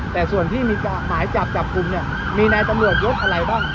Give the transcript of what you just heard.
แต่ส่วนที่มีหมายจับจับกลุ่มเนี่ยมีนายตำรวจยศอะไรบ้าง